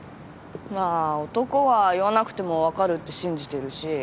まあ男は言わなくても分かるって信じてるし。